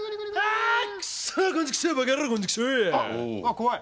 怖い！